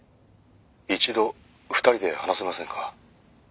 「一度２人で話せませんか？」